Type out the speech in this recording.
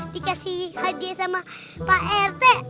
dikasih hg sama pak rt